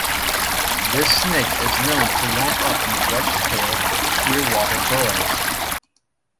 This snake is known to warm up in wedge-tailed shearwater burrows.